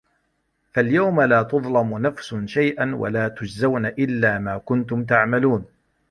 فَاليَومَ لا تُظلَمُ نَفسٌ شَيئًا وَلا تُجزَونَ إِلّا ما كُنتُم تَعمَلونَ